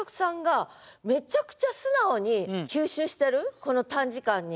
この短時間に。